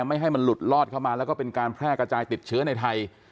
ไม่ให้มันหลุดลอดเข้ามาแล้วก็เป็นการแพร่กระจายติดเชื้อในไทย